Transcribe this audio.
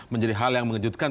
menjadi hal yang mengejutkan